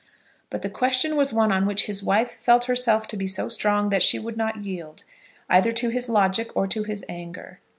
But the question was one on which his wife felt herself to be so strong that she would not yield, either to his logic or to his anger.